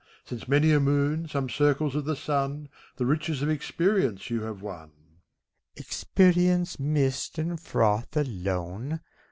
Since many a moon, some circles of the sun, The riches of experience you have won. BACCALAUREUS. Experience! mist and froth alone!